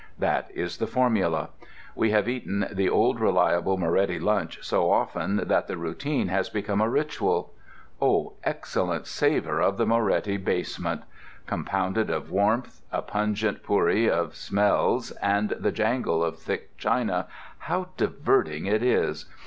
That is the formula. We have eaten the "old reliable Moretti lunch" so often that the routine has become a ritual. Oh, excellent savor of the Moretti basement! Compounded of warmth, a pungent pourri of smells, and the jangle of thick china, how diverting it is!